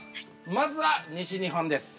まずは、西日本です。